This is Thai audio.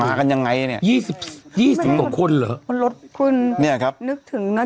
กันยังไงเนี่ยยี่สิบยี่สิบกว่าคนเหรอคนรถคุณเนี่ยครับนึกถึงนะ